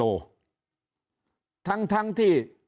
ยิ่งอาจจะมีคนเกณฑ์ไปลงเลือกตั้งล่วงหน้ากันเยอะไปหมดแบบนี้